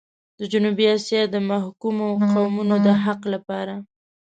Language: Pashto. د جنوبي اسيا د محکومو قومونو د حق لپاره.